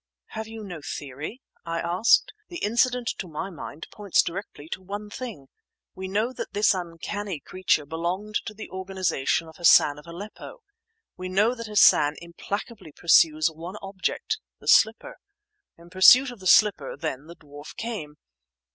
"Have you no theory?" I asked. "The incident to my mind points directly to one thing. We know that this uncanny creature belonged to the organization of Hassan of Aleppo. We know that Hassan implacably pursues one object—the slipper. In pursuit of the slipper, then, the dwarf came here.